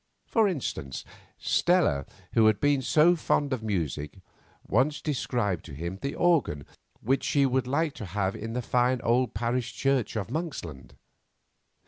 For instance, Stella who had been so fond of music, once described to him the organ which she would like to have in the fine old parish church of Monksland.